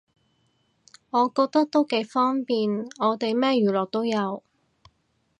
我覺得都幾方便，我哋咩娛樂都有